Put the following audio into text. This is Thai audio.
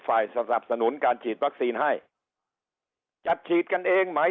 ฝ่ายสนับสนุนการฉีดวัคซีนให้จัดฉีดกันเองหมาย